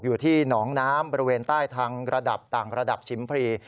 อยู่ที่หนองน้ำบริเวณใต้ทางระดับต่างระดับชิมพรี